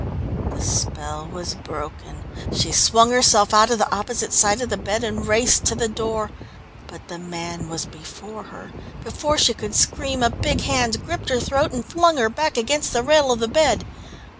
The spell was broken. She swung herself out of the opposite side of the bed, and raced to the door, but the man was before her. Before she could scream, a big hand gripped her throat and flung her back against the rail of the bed.